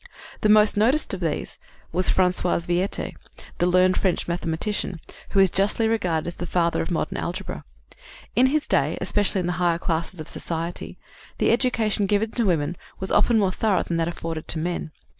The most noted of these was François Viète, the learned French mathematician, who is justly regarded as the father of modern algebra. In his day, especially in the higher classes of society, the education given to women was often more thorough than that afforded to men.